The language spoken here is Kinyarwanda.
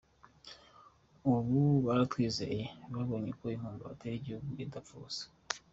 Ubu baratwizeye, babonye ko inkunga batera igihugu idapfa ubusa.